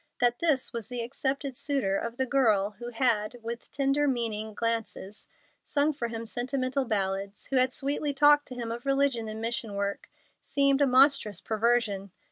That this was the accepted suitor of the girl who had, with tender, meaning glances, sung for him sentimental ballads, who had sweetly talked to him of religion and mission work, seemed a monstrous perversion.